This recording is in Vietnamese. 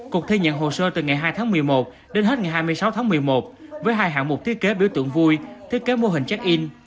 cuộc thi nhận hồ sơ từ ngày hai tháng một mươi một đến hết ngày hai mươi sáu tháng một mươi một với hai hạng mục thiết kế biểu tượng vui thiết kế mô hình check in